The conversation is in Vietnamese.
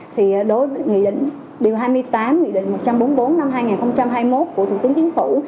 thì đối với nghị định điều hai mươi tám nghị định một trăm bốn mươi bốn năm hai nghìn hai mươi một của thủ tướng chính phủ